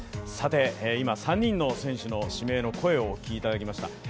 今、３人の選手の指名の声をお聞きいただきました。